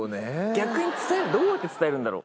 逆にどうやって伝えるんだろう？